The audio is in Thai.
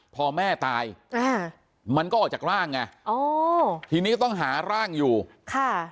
พอแม่ตายอ่ามันก็ออกจากร่างไงอ๋อทีนี้ก็ต้องหาร่างอยู่ค่ะ